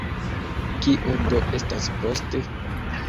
Kio do estas poste?